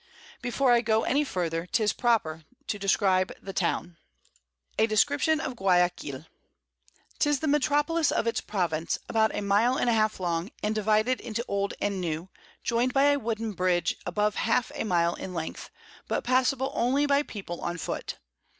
Before I go any further, 'tis proper to describe the Town. A Description of Guiaquil [Sidenote: At Guiaquil.] 'Tis the Metropolis of its Province, about a Mile and half long, and divided into Old and New, joined by a wooden Bridge above half a Mile in Length, but passable only by People on foot.